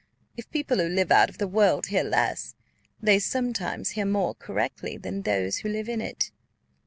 If people who live out of the world hear less, they sometimes hear more correctly than those who live in it."